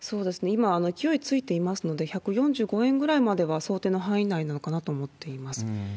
今、勢いついていますので、１４５円ぐらいまでは想定の範囲内なのかなと思っています。